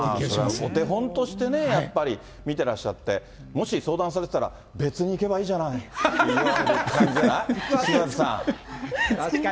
お手本としてね、やっぱり見てらっしゃって、もし相談されてたら、別に、行けばいいじゃないっていう感じじゃない？